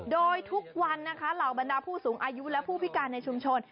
โดยทุกวันนะคะเหล่าบรรดาผู้สูงอายุและผู้พิการในชุมชน